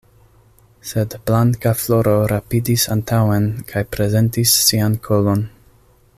Sed Blankafloro rapidis antaŭen kaj prezentis sian kolon.